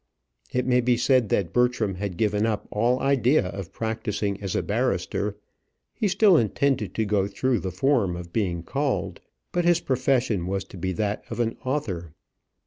It may be said that Bertram had given up all idea of practising as a barrister. He still intended to go through the form of being called; but his profession was to be that of an author.